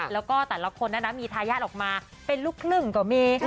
แล้วก็แต่ละคนนั้นนะมีทายาทออกมาเป็นลูกครึ่งก็มี